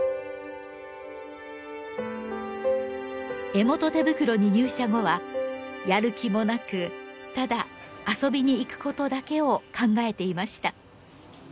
江本手袋に入社後はやる気もなくただ遊びに行くことだけを考えていました。